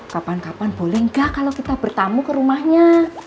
kapan kapan boleh nggak kalau kita bertamu ke rumahnya